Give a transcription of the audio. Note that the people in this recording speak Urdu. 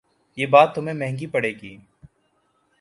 یہ بات تمہیں مہنگی پڑے گی